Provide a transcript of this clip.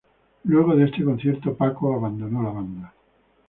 Luego de este concierto Paco abandonó la banda.